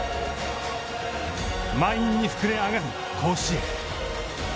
満員に膨れ上がる甲子園。